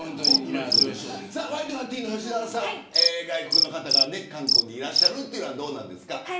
ワイドナティーンの吉澤さん外国の方が観光にいらっしゃるのはどうですか。